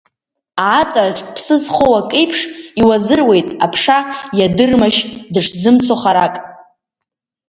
Ааҵраҿ, ԥсы зхоу акеиԥш, иуазыруеит, аԥша иадырмашь дышзымцо харак?